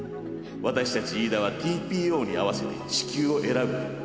私たちイイダはＴＰＯに合わせて地球を選ぶ。